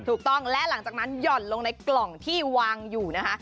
ถูกต้องและหลังจากนั้นหย่อนลงในกล่องที่วางอยู่นะคะ